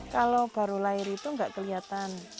kalau baru lahir itu nggak kelihatan